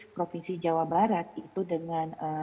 provinsi jawa barat itu dengan